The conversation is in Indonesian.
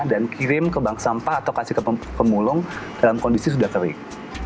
dan kirim ke bank sampah atau kasih ke pemulung dalam kondisi sudah kering